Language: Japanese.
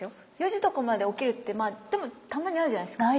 ４時とかまで起きるってでもたまにあるじゃないですか。